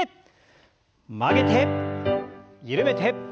曲げて緩めて。